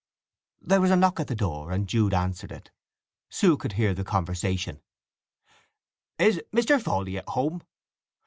There was a knock at the door, and Jude answered it. Sue could hear the conversation: "Is Mr. Fawley at home?